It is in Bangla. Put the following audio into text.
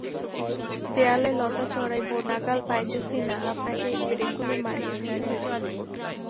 দেয়ালে লতা চড়াইব, নাগাল পাইতেছি না, আপনাকে এই পেরেকগুলি মারিয়া দিতে হইবে।